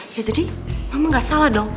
ya jadi emang gak salah dong